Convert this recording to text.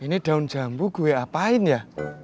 ini daun jambu gue apain ya